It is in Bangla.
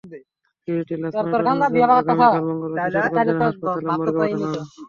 শিশুটির লাশ ময়নাতদন্তের জন্য আগামীকাল মঙ্গলবার কিশোরগঞ্জ জেনারেল হাসপাতাল মর্গে পাঠানো হবে।